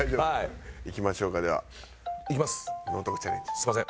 すみません。